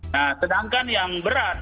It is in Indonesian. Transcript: nah sedangkan yang berat